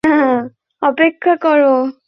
তার মৃত্যুর জন্য অপেক্ষা কর।